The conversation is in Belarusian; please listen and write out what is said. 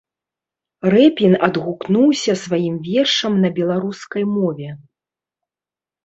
Рэпін адгукнуўся сваім вершам на беларускай мове.